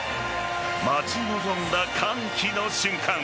待ち望んだ歓喜の瞬間